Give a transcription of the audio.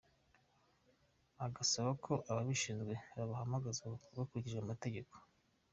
Agasaba ko ababishinzwe babahamagaza hakurikijwe amategeko.